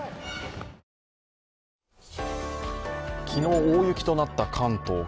昨日、大雪となった関東。